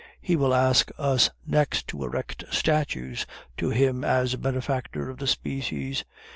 "He will ask us next to erect statues to him as a benefactor of the species."